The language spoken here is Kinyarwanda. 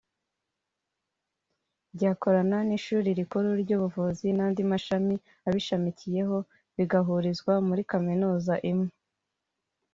ryakorana n’Ishuri Rikuru ry’Ubuvuzi n’andi mashami abishamikiyeho bigahurizwa muri Kaminuza imwe